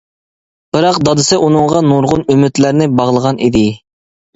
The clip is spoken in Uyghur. بىراق دادىسى ئۇنىڭغا نۇرغۇن ئۈمىدلەرنى باغلىغان ئىدى.